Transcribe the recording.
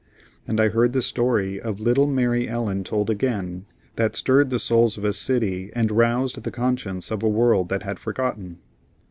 And I heard the story of little Mary Ellen told again, that stirred the souls of a city and roused the conscience of a world that had forgotten.